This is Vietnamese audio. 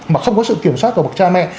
mà không có sự kiểm soát của bậc cha mẹ